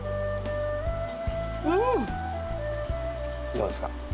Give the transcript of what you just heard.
どうですか。